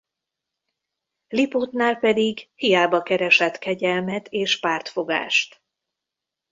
Lipótnál pedig hiába keresett kegyelmet és pártfogást.